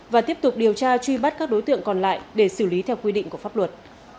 và tiếp tục điều tra truy bắt các đối tượng còn lại để xử lý theo quy định của pháp luật